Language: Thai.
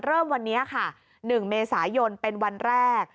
เริ่มวันนี้ค่ะ๑เมษายนเป็นวันแรก